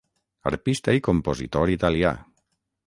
Arpista i compositor italià.